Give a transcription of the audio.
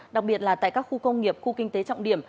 đặc biệt là tại các khu công nghiệp khu kinh tế trọng điểm